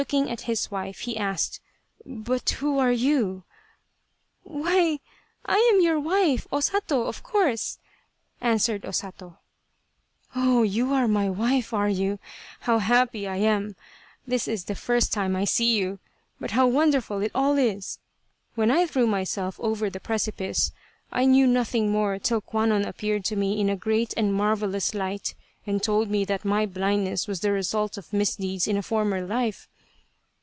Then looking at his wife, he asked :" But who are you ?"" Why, I am your wife O Sato, of course !" answered O Sato. X 74 Tsubosaka " Oh, you are my wife, are you ? How happy I am ! This is the first time I see you. But how wonderful it all is. When I threw myself over the precipice, I knew nothing more till Kwannon appeared to me in a great and marvellous light and told me that my blindness was the result of misdeeds in a former life."